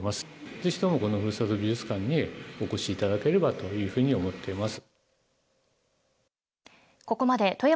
ぜひともこのふるさと美術館にお越しいただければというふうに思っています。